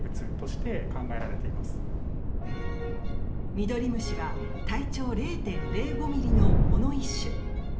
ミドリムシは体長０．０５ｍｍの藻の一種。